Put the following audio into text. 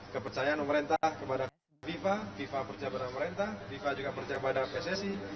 kepercayaan pemerintah kepada viva viva percaya pada pemerintah viva juga percaya pada pssi